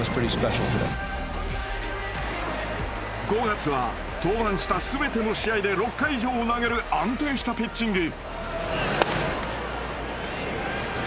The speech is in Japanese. ５月は登板した全ての試合で６回以上を投げる安定したピッチング。